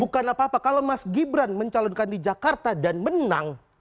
bukan apa apa kalau mas gibran mencalonkan di jakarta dan menang